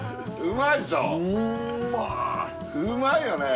うまいよね。